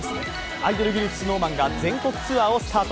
アイドルグループＳｎｏｗＭａｎが全国ツアーをスタート。